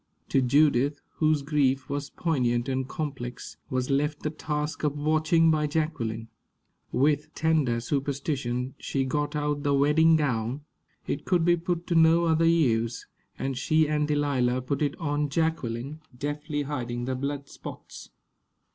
To Judith, whose grief was poignant and complex, was left the task of watching by Jacqueline. With tender superstition, she got out the wedding gown it could be put to no other use and she and Delilah put it on Jacqueline, deftly hiding the blood spots.